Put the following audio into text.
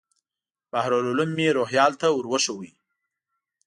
بحر العلوم مې روهیال ته ور وښود.